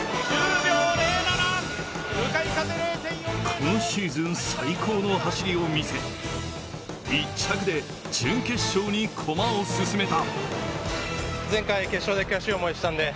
今シーズン最高の走りを見せ、１着で準決勝に駒を進めた。